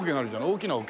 大きな桶？